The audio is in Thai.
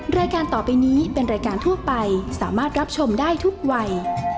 รายการต่อไปนี้เป็นรายการทั่วไปสามารถรับชมได้ทุกวัย